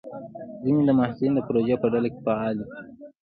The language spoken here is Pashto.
ځینې محصلین د پروژې په ډله کې فعال وي.